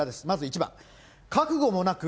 まず１番。